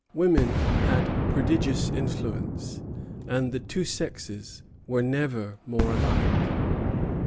Women had prodigious influence, and the two sexes were never more alike.